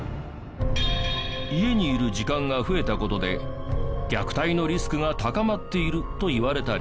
家にいる時間が増えた事で虐待のリスクが高まっているといわれたり。